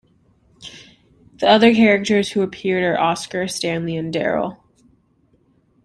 The other characters who appeared are Oscar, Stanley and Darryl.